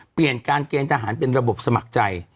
เปลี่ยนการเกณฑ์ทหารเป็นระบบสมัครใจ